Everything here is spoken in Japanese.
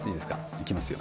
いきますよ。